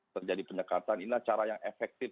terjadi penyekatan inilah cara yang efektif